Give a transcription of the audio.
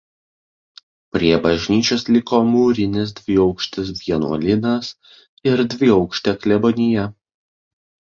Prie bažnyčios liko mūrinis dviaukštis vienuolynas ir dviaukštė klebonija.